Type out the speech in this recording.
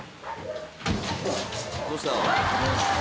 どうした？